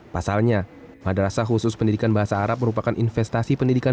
pasalnya madrasah khusus pendidikan bahasa arab merupakan investasi pendidikan